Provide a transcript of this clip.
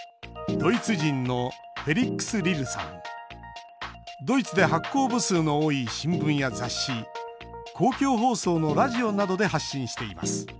ドイツで発行部数の多い新聞や雑誌、公共放送のラジオなどで発信しています。